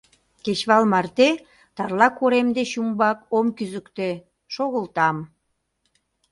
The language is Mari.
Кечывал марте Тарла корем деч умбак ом кӱзыктӧ — шогылтам.